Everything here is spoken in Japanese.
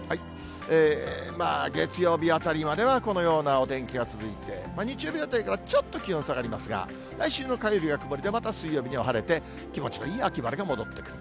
まあ、月曜日あたりまではこのようなお天気が続いて、日曜日あたりから、ちょっと気温下がりますが、来週の火曜日は曇りで、また水曜日には晴れて、気持ちのいい秋晴れが戻ってくる。